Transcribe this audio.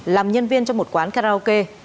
làm nhân viên trong một quán karaoke